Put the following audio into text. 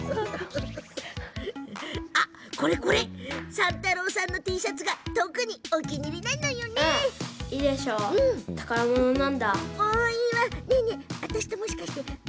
山太郎さんのＴシャツが特にお気に入りなのよね。